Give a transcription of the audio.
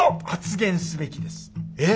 えっ！？